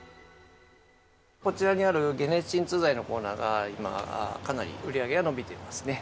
こちらにある解熱鎮痛剤のコーナーが今、かなり売り上げが伸びていますね。